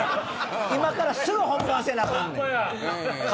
今からすぐ本番せなアカンねん。